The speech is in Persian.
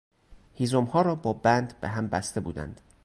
هیزمها را با بند به هم بسته بودند.